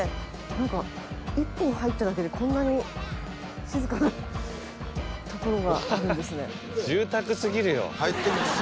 何か１本入っただけでこんなに静かな所があるんですね。